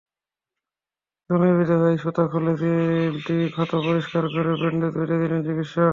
ডানায় বেঁধে যাওয়া সুতা খুলে চিলটির ক্ষত পরিষ্কার করে ব্যান্ডেজ বেঁধে দিলেন চিকিৎসক।